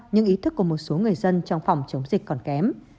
nhưng ý thức của một số người dân trong phòng chống dịch còn kém